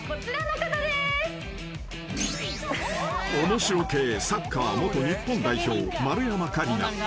［面白系サッカー元日本代表丸山桂里奈］